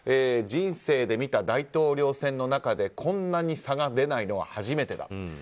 人生で見た大統領選の中でこんなに差が出ないのは初めてだ。